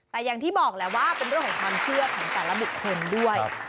แต่อย่างที่บอกแหละว่าเป็นเรื่องของความเชื่อของแต่ละบุคคลด้วย